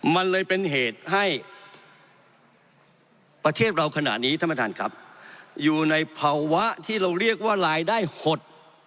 มันเลยเป็นเหตุให้ประเทศเราขนาดนี้อยู่ในภาวะที่เราเรียกว่ารายได้หด